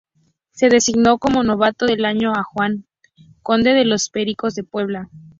Se designó como novato del año a Juan Conde de los Pericos de Puebla.